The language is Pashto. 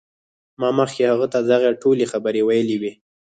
ما مخکې هغه ته دغه ټولې خبرې ویلې وې